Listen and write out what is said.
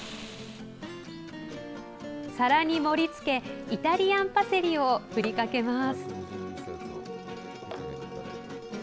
皿に盛りつけイタリアンパセリを振りかけます。